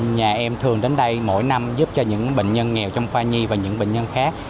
nhà em thường đến đây mỗi năm giúp cho những bệnh nhân nghèo trong khoa nhi và những bệnh nhân khác